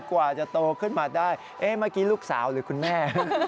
กว่าจะโตขึ้นมาได้เอ๊ะเมื่อกี้ลูกสาวหรือคุณแม่